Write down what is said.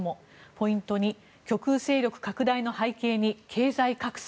ポイント２極右勢力拡大の背景に経済格差。